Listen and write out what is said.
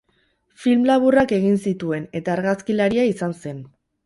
Film laburrak egin zituen, eta argazkilaria izan zen.